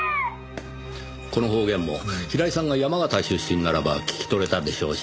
この方言も平井さんが山形出身ならば聞き取れたでしょうし